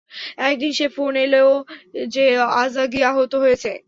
একদিন, সে ফোন এলো যে আজাগী আহত হয়েছে।